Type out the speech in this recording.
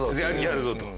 やるぞと。